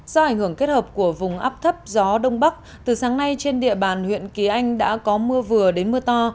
do ảnh hưởng kết hợp của vùng áp thấp gió đông bắc từ sáng nay trên địa bàn huyện kỳ anh đã có mưa vừa đến mưa to